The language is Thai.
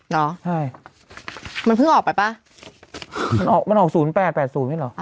เหรอใช่มันเพิ่งออกไปป่ะมันออกมันออกศูนย์แปดแปดศูนย์นี่เหรอ